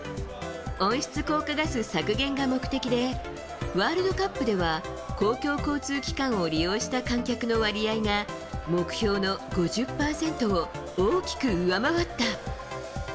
温室効果ガス削減が目的でワールドカップでは公共交通機関を利用した観客の割合が目標の５０％を大きく上回った。